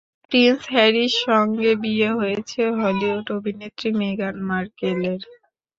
Prince হ্যারির সঙ্গে বিয়ে হয়েছে হলিউড অভিনেত্রী মেগান মার্কেলের।